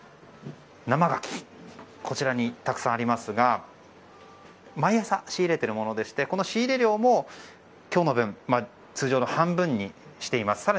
生ガキ、こちらにたくさんありますが毎朝仕入れてるものでしてこの仕入れ量も今日の分は通常の半分にしています。